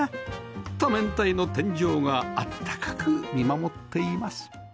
多面体の天井があったかく見守っています